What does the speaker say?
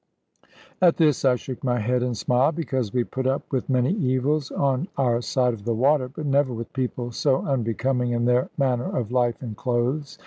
At this I shook my head and smiled; because we put up with many evils on our side of the water, but never with people so unbecoming in their manner of life and clothes.